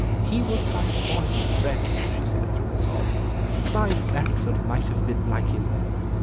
"He was my boy's friend," she said, through her sobs. "My Blandford might have been like him."